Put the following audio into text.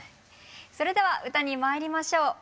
それでは歌にまいりましょう。